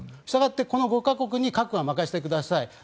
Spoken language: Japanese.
したがってこの５か国に核は任せてください